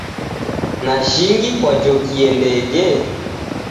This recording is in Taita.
Na jhingi kwajokie ndege?